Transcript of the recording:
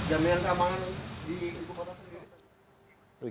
jaminan aman di kota sendiri